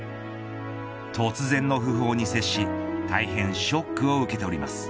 突然の訃報に接し大変ショックを受けております。